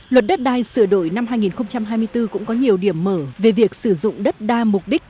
luật đất đai hai nghìn hai mươi bốn cũng có nhiều điểm mở về việc sử dụng đất đa mục đích